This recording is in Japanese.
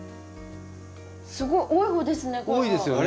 すごい多い方ですね